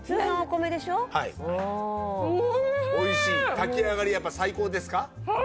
炊き上がりはやっぱ最高ですか？